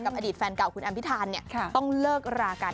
อดีตแฟนเก่าคุณแอมพิธานต้องเลิกรากัน